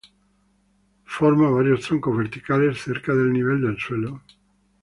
Forma varios troncos verticales cerca del nivel del suelo.